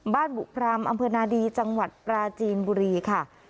บุพรามอำเภอนาดีจังหวัดปราจีนบุรีค่ะ